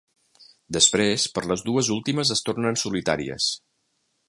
Després, per les dues últimes es tornen solitàries.